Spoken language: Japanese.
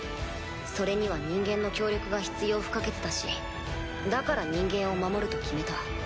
それには人間の協力が必要不可欠だしだから人間を守ると決めた。